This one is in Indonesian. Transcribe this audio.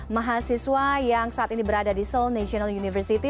mahasiswa yang saat ini berada di seoul national university